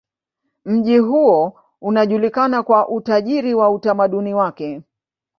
Mji huo unajulikana kwa utajiri wa utamaduni wake.